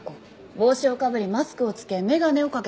帽子をかぶりマスクを着け眼鏡をかけていた。